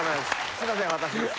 すいません私です。